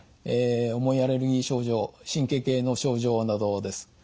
重いアレルギー症状神経系の症状などです。